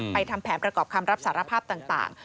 ทำแผนประกอบคำรับสารภาพต่าง